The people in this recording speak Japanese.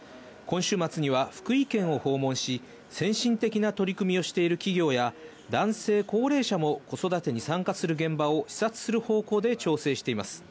今週末には福井県を訪問し、先進的な取り組みをしている企業や男性・高齢者も子育てに参加する現場を視察する方向で調整しています。